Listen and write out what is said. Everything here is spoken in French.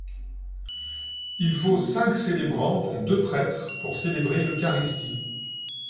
Il faut cinq célébrants, dont deux prêtres, pour célébrer l’eucharistie.